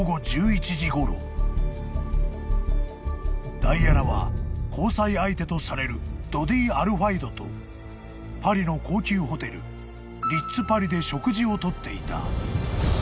［ダイアナは交際相手とされるドディ・アルファイドとパリの高級ホテルリッツ・パリで食事を取っていた］